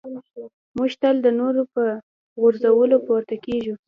موږ تل د نورو په غورځولو پورته کېږو.